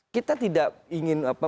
kita tidak ingin apa